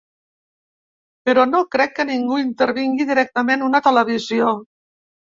Però no crec que ningú intervingui directament una televisió.